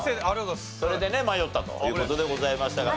それで迷ったという事でございましたが。